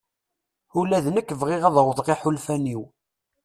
Ula d nekk bɣiɣ ad awḍeɣ iḥulfan-iw.